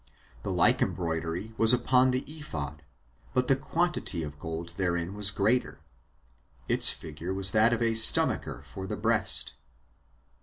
The like embroidery was upon the ephod; but the quantity of gold therein was greater. Its figure was that of a stomacher for the breast.